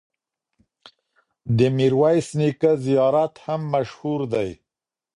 د میرویس نیکه زیارت هم مشهور دی.